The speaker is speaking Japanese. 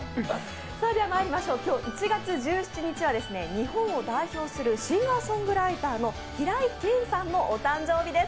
今日１月１７日は日本を代表するシンガーソングライターの平井堅さんのお誕生日です。